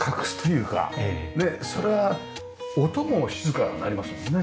ねえそれは音も静かになりますもんね。